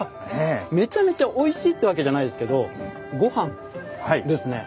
めちゃめちゃおいしいってわけじゃないですけど「ごはん」ですね。